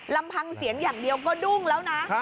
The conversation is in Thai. ลำพังเสียงอย่างเดียวก็ดุ้งแล้วนะ